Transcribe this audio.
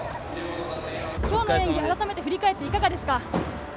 今日の演技、改めて振り返っていかがですか？